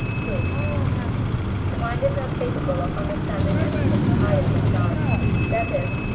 Proof. The mind is not capable of understanding anything higher than God, that is (I.